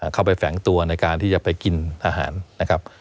แฝงตัวในการที่จะไปกินอาหารนะครับ